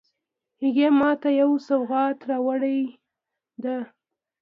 هغې ما ته یو سوغات راوړی ده